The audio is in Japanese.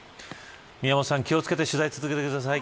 宮本さん、気を付けて取材を続けてください。